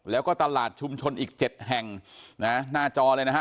แล้วก็ตลาดชุมชนอีก๗แห่งนะหน้าจอเลยนะฮะ